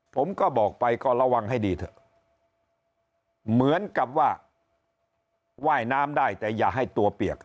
ผมก็บอกไปก็ระวังให้ดีเถอะเหมือนกับว่าว่ายน้ำได้แต่อย่าให้ตัวเปียก